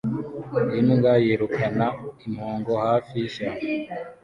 Imbwa yirukana impongo hafi yishyamba